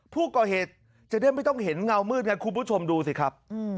จะได้ไม่ต้องเห็นเงามืดไงคุณผู้ชมดูสิครับ